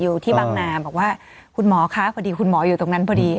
อยู่ที่บางนาบอกว่าคุณหมอคะพอดีคุณหมออยู่ตรงนั้นพอดี